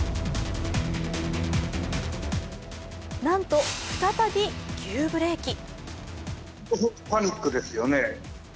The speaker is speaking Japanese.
なんと、再び急ブレーキ。